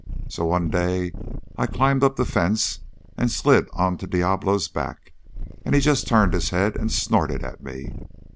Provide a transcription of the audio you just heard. So one day I climbed up the fence and slid onto Diablo's back, and he just turned his head and snorted at me.